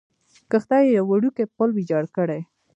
کښته یې یو وړوکی پل ویجاړ کړی.